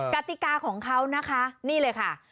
กติกาของเขานะคะนี่เลยค่ะ